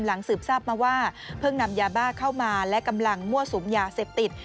สืบทราบมาว่าเพิ่งนำยาบ้าเข้ามาและกำลังมั่วสุมยาเสพติด